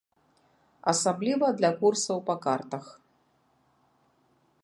Асабліва для курсаў па картах.